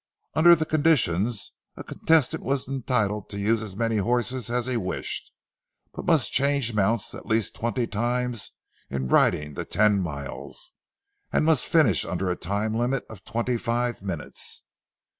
Under the conditions, a contestant was entitled to use as many horses as he wished, but must change mounts at least twenty times in riding the ten miles, and must finish under a time limit of twenty five minutes.